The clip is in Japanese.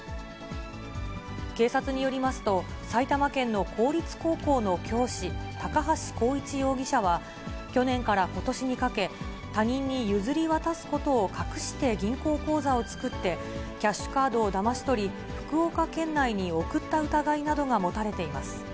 警察によりますと、埼玉県の公立高校の教師、高橋幸一容疑者は、去年からことしにかけ、他人に譲り渡すことを隠して銀行口座を作って、キャッシュカードをだまし取り、福岡県内に送った疑いなどが持たれています。